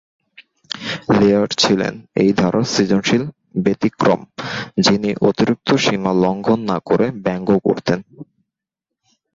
Layer ছিলেন এই ধারার সৃজনশীল ব্যতিক্রম, যিনি অতিরিক্ত সীমা লঙ্ঘন না করে ব্যঙ্গ করতেন।